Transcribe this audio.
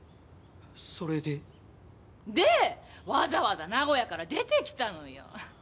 それで？でわざわざ名古屋から出てきたのよ！